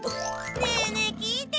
ねえねえ聞いてよ。